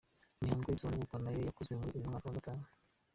Imihango yo gusaba no kubwa nayo yakozwe kuri uyu wa Gatanu.